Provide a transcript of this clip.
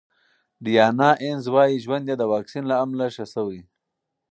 ډیانا اینز وايي ژوند یې د واکسین له امله ښه شوی.